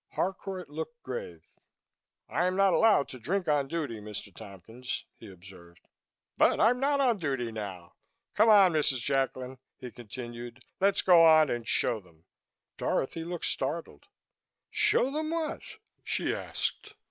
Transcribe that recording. Harcourt looked grave. "I'm not allowed to drink on duty, Mr. Tompkins," he observed, "but I'm not on duty now. Come on, Mrs. Jacklin," he continued, "let's go on and show them." Dorothy looked startled. "Show them what," she asked.